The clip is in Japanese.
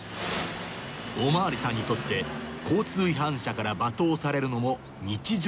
お巡りさんにとって交通違反者から罵倒されるのも日常